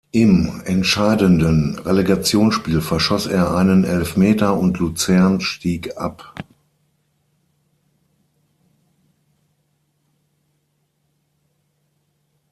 Im entscheidenden Relegationsspiel verschoss er einen Elfmeter und Luzern stieg ab.